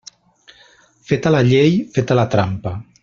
Feta la llei, feta la trampa.